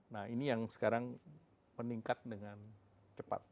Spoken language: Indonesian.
nah ini yang sekarang meningkat dengan cepat